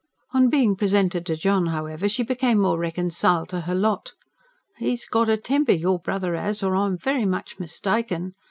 On being presented to John, however, she became more reconciled to her lot. "'E's got a temper, your brother has, or I'm very much mistaken.